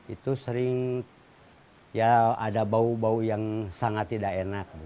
itu sering ya ada bau bau yang sangat tidak enak